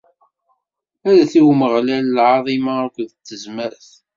Rret i Umeɣlal lɛaḍima akked tezmert!